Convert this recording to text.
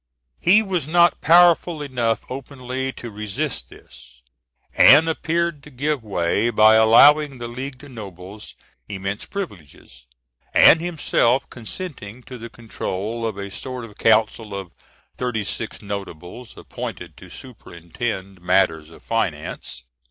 He was not powerful enough openly to resist this, and appeared to give way by allowing the leagued nobles immense privileges, and himself consenting to the control of a sort of council of "thirty six notables appointed to superintend matters of finance."